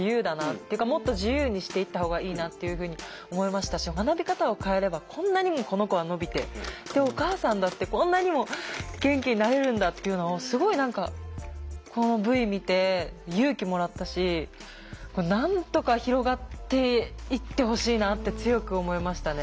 っていうかもっと自由にしていったほうがいいなっていうふうに思いましたし学び方を変えればこんなにもこの子は伸びてお母さんだってこんなにも元気になれるんだっていうのをすごい何かこのＶ見て勇気もらったしなんとか広がっていってほしいなって強く思いましたね。